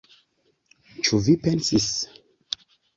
Ĉu vi pensis?